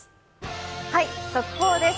速報です。